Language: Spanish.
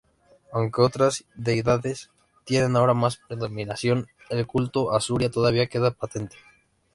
Aunque otras deidades tienen ahora más predominancia, el culto a Suria todavía queda patente.